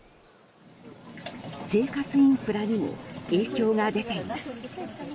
生活インフラにも影響が出ています。